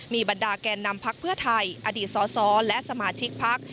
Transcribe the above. มีบรรดาแก่นำพักเพื่อไทยอดีตสสและสมาชิกพัก